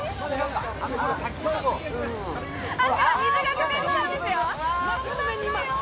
あ、水がかかりそうですよ。